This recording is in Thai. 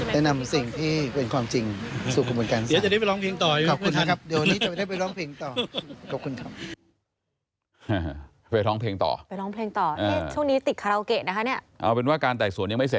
แนะนำสิ่งที่เป็นความจริงสู่คุณวันการสาร